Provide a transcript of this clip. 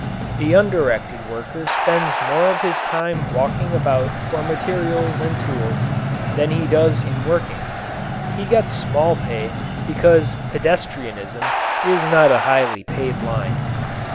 The undirected worker spends more of his time walking about for materials and tools than he does in working; he gets small pay because pedestrianism is not a highly paid line.